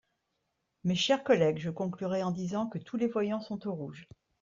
Mes chers collègues, je conclurai en disant que tous les voyants sont au rouge.